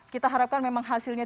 kita harapkan memang hasilnya